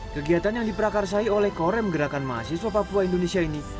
kegiatan yang diprakarsai oleh korem gerakan mahasiswa papua indonesia ini